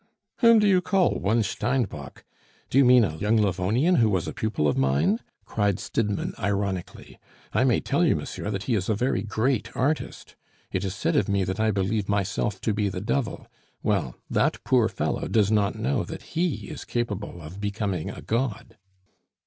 "Whom do you call 'One Steinbock'? Do you mean a young Livonian who was a pupil of mine?" cried Stidmann ironically. "I may tell you, monsieur, that he is a very great artist. It is said of me that I believe myself to be the Devil. Well, that poor fellow does not know that he is capable of becoming a god."